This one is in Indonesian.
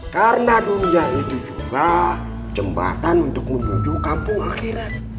karena dunia itu juga jembatan untuk menuju kampung akhirat